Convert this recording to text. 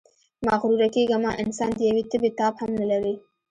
مغروره کېږئ مه، انسان د یوې تبې تاب هم نلري.